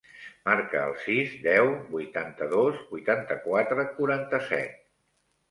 Marca el sis, deu, vuitanta-dos, vuitanta-quatre, quaranta-set.